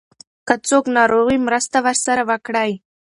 که څوک ناروغ وي مرسته ورسره وکړئ.